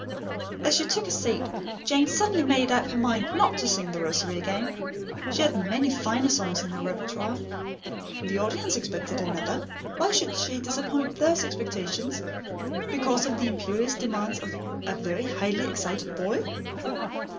As she took her seat, Jane suddenly made up her mind not to sing The Rosary again. She had many finer songs in her repertoire. The audience expected another. Why should she disappoint those expectations because of the imperious demands of a very highly excited boy?